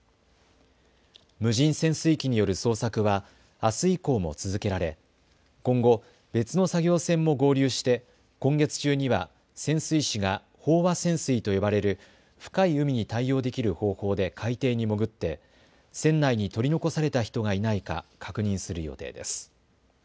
無人潜水機による捜索はあす以降も続けられ、今後別の作業船も合流して今月中には潜水士が飽和潜水と呼ばれる深い海に対応できる方法で海底に潜って船内に取り残された人がいないか確認する予定です。